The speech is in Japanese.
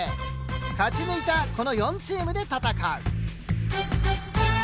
勝ち抜いたこの４チームで戦う。